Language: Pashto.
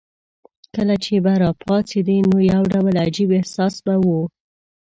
کله چې به راپاڅېدې نو یو ډول عجیب احساس به وو.